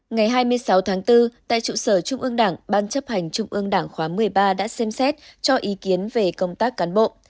ngày hai mươi sáu tháng bốn tại trụ sở trung ương đảng ban chấp hành trung ương đảng khóa một mươi ba đã xem xét cho ý kiến về công tác cán bộ